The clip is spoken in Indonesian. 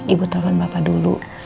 ibu telfon bapak dulu